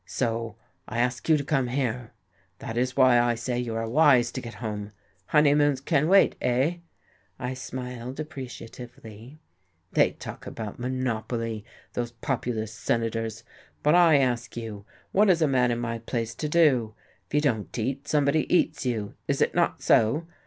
So I ask you to come here. That is why I say you are wise to get home. Honeymoons can wait eh?" I smiled appreciatively. "They talk about monopoly, those Populist senators, but I ask you what is a man in my place to do? If you don't eat, somebody eats you is it not so?